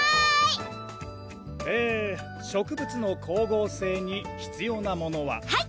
え植物の光合成に必要なものは・はい！